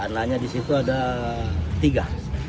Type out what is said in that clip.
karena di situ ada tiga